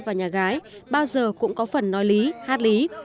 và nhà gái bao giờ cũng có phần nói lý hát lý